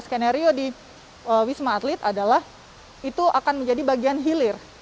skenario di wisma atlet adalah itu akan menjadi bagian hilir